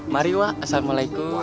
mari wak assalamualaikum